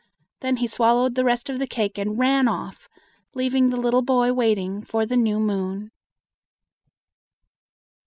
Then he swallowed the rest of the cake and ran off, leaving the little boy waiting for the new moon.